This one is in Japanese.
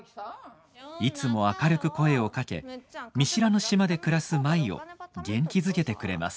いつも明るく声をかけ見知らぬ島で暮らす舞を元気づけてくれます。